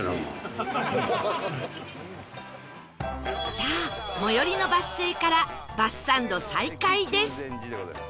さあ最寄りのバス停からバスサンド再開です